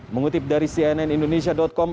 mengutip dari cnn indonesia com